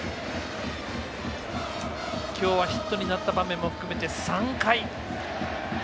今日はヒットになった場面も含めて３回。